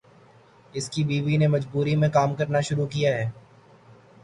اس کی بیوی نے مجبوری میں کام کرنا شروع کیا ہے۔